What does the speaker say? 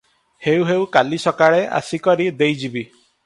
ହେଉ ହେଉ, କାଲି ସକାଳେ ଆସି କରି ଦେଇଯିବି ।"